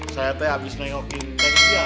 saya teh abis nengokin teh iya